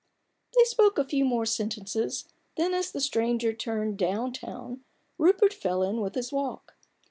They spoke a few more sentences, then as the stranger turned "down town," Rupert fell in with his walk.